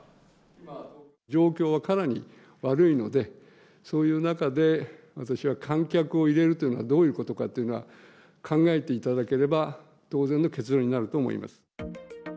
状況はかなり悪いので、そういう中で私は観客を入れるというのは、どういうことかというのは、考えていただければ、当然の結論になると思います。